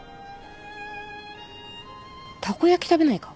たこ焼き食べないか？